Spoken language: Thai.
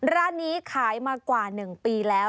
ร้านนี้ขายมากว่า๑ปีแล้ว